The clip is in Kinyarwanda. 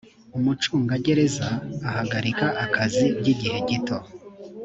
umucungagereza ahagarika akazi by igihe gito